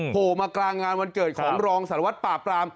โผล่มากลางงานวันเกิดของรองสารวัตรปราบปราม